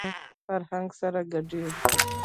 فرهنګ سره ګډېږي.